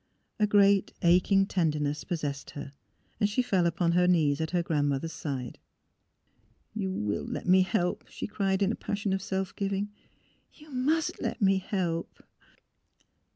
... A great aching tenderness possessed her. She fell upon her knees at her grandmother's side. A NIGHT OF EAIN 103 '' You will let me help !'' she cried, in a passion of self giving. '' You must let me help